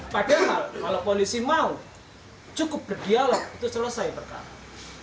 padahal kalau polisi mau cukup berdialog itu selesai perkara